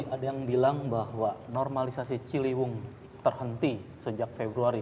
ada yang bilang bahwa normalisasi ciliwung terhenti sejak februari